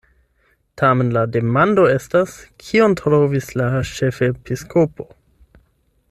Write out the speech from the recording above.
Tamen la demando estas: kion trovis la ĉefepiskopo?”